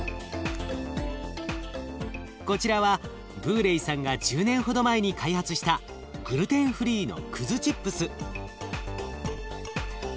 こちらはブーレイさんが１０年ほど前に開発したグルテンフリーのくずチップス。